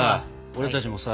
俺たちもさ